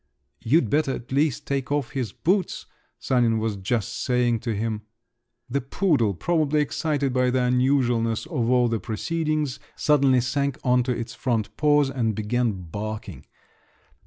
"You'd better, at least, take off his boots," Sanin was just saying to him. The poodle, probably excited by the unusualness of all the proceedings, suddenly sank on to its front paws and began barking.